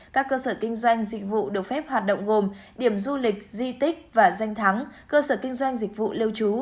các cơ sở kinh doanh dịch vụ được phép hoạt động gồm điểm du lịch di tích và danh thắng cơ sở kinh doanh dịch vụ lưu trú